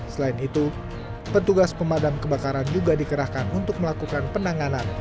selain itu petugas pemadam kebakaran juga dikerahkan untuk melakukan penanganan